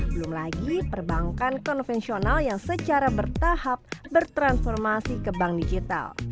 belum lagi perbankan konvensional yang secara bertahap bertransformasi ke bank digital